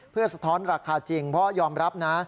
เพื่อสะท้อนราคาจริงเพราะยอมรับนะ